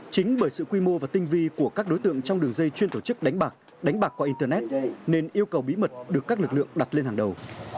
chính bởi sự quy mô và tinh vi của các đối tượng trong đường dây chuyên tổ chức đánh bạc đánh bạc qua internet nên yêu cầu bí mật được các lực lượng đặt lên hàng đầu